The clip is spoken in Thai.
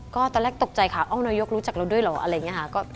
ก็ตอนแรกตกใจค่ะอ้อนายกรู้จักเราด้วยเหรออะไรอย่างนี้ค่ะ